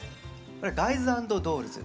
これ「ガイズ＆ドールズ」。